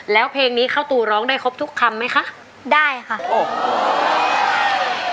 แล้วเพลงนี้ข้าวตูร้องได้ครบทุกคำไหมคะได้ค่ะโอ้โห